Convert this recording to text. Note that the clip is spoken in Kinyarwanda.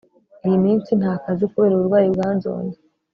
iy iminsi ntakazi kubera uburwayi bwanzonze